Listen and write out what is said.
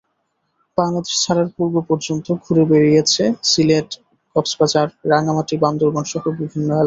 বাংলাদেশ ছাড়ার পূর্ব পর্যন্ত ঘুরে বেড়িয়েছেন সিলেট, কক্সবাজার, রাঙ্গামাটি, বান্দরবানসহ বিভিন্ন এলাকা।